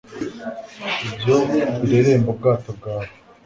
ibyo bireremba ubwato bwawe